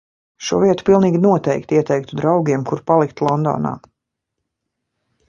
Šo vietu pilnīgi noteikti ieteiktu draugiem, kur palikt Londonā.